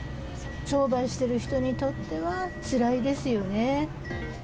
商売している人にとっては、つらいですよね。